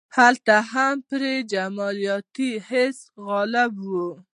هلته هم پرې جمالیاتي حس غالب و.